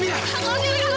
aminah kamu dengerin aku